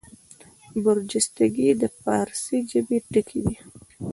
برجستګي د فاړسي ژبي ټکی دﺉ.